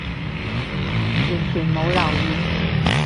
完全冇留意